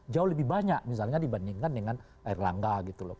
jauh lebih banyak misalnya dibandingkan dengan erlangga gitu loh